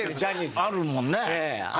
あるもんね。